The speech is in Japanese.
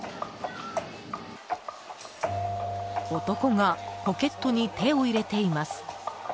男がポケットに手を入れています。